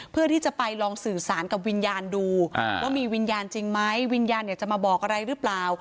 เพื่อที่จะไปลองสื่อสารกับวิญญาณดูว่ามีวิญญาณจริงไหมวิญญาณอยากจะมาบอกอะไรหรือเปล่า